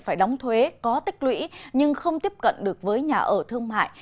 phải đóng thuế có tích lũy nhưng không tiếp cận được với nhà ở thương mại